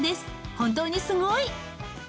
本当にすごい！